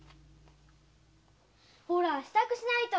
ほら支度しないと！